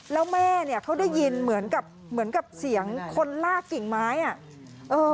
แล้วแม่เขาได้ยินเหมือนกับเสียงคนลากกิ่งไม้